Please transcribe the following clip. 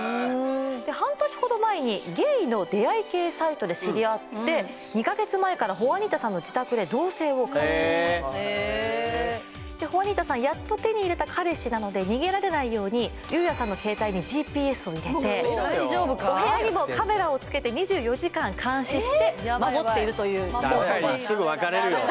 半年ほど前にゲイの出会い系サイトで知り合って２カ月前からホアニータさんの自宅で同棲を開始したホアニータさんやっと手に入れた彼氏なので逃げられないようにゆうやさんの携帯にＧＰＳを入れて大丈夫かお部屋にもカメラをつけて２４時間監視して守っているということです